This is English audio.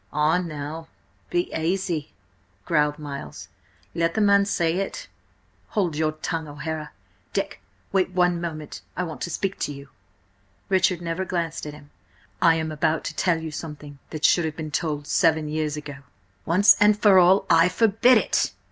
"Ah, now, be aisy," growled Miles. "Let the man say it!" "Hold your tongue, O'Hara! Dick, wait one moment! I want to speak to you!" Richard never glanced at him. "I am about to tell you something that should have been told–seven years ago—" "Once and for all, I forbid it!"